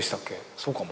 そうかも。